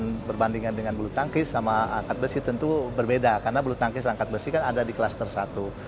jangan dibilang perbandingan dengan bulu tangkis sama angkat besi tentu berbeda karena bulu tangkis dan angkat besi kan ada di kelas ter satu